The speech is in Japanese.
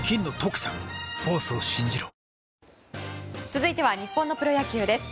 続いては日本のプロ野球です。